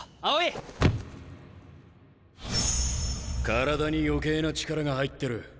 体に余計な力が入ってる。